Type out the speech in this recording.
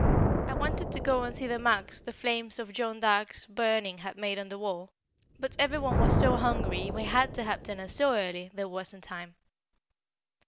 I wanted to go and see the marks the flames of Joan of Arc's burning had made on the wall, but every one was so hungry, we had to have dinner so early, there wasn't time.